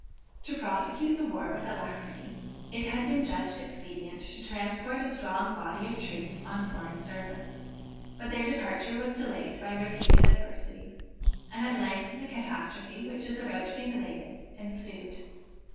To prosecute the war with alacrity, it had been judged expedient to transport a strong body of troops on foreign service, but their departure was delayed by repeated adversities, and at length the catastrophe which is about to be related ensued.